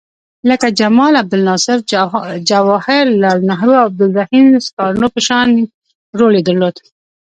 لکه جمال عبدالناصر، جواهر لعل نهرو او عبدالرحیم سکارنو په شان رول یې درلود.